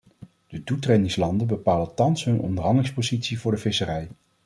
De toetredingslanden bepalen thans hun onderhandelingspositie voor de visserij.